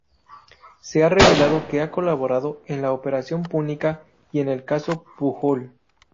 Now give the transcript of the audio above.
Se ha revelado que ha colaborado en la Operación Púnica y el Caso Pujol.